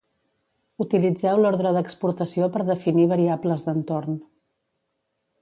Utilitzeu l'ordre d'exportació per definir variables d'entorn.